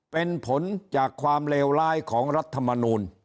เป็นผลจากความเลวร้ายของรัฐมนูล